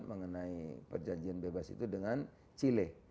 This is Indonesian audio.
mengenai perjanjian bebas itu dengan chile